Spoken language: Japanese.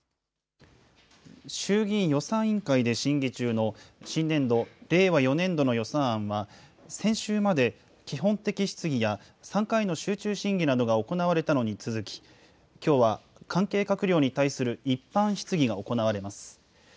衆議院予算委員会で審議中の新年度・令和４年度の予算案は、先週まで基本的質疑や３回の集中審議などが行われたのに続き、きょうは関係閣僚に対する一般質疑が行われます。